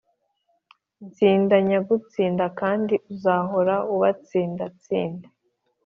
tsinda nyagutsinda kandi uzahora ubatsinda, tsinda.